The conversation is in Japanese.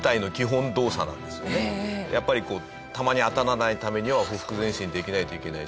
やっぱり弾に当たらないためにはほふく前進できないといけないし。